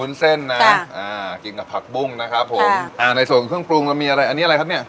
เส้นนะอ่ากินกับผักบุ้งนะครับผมอ่าในส่วนเครื่องปรุงเรามีอะไรอันนี้อะไรครับเนี้ย